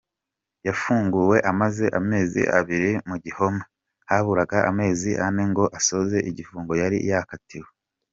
Yafunguwe amaze amezi abiri mu gihome, haburaga amezi ane ngo asoze igifungo yari yakatiwe.